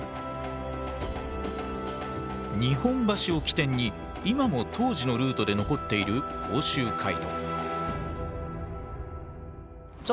日本橋を起点に今も当時のルートで残っている甲州街道。